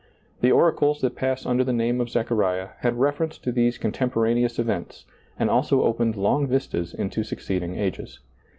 The oracles that pass under the name of Zechariah had reference to these contemporaneous events, and also opened long vistas into succeeding ages.